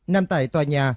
nằm tại tòa nhà